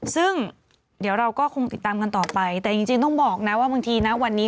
ซึ่งเดี๋ยวเราก็คงติดตามกันต่อไปแต่จริงต้องบอกนะว่าบางทีนะวันนี้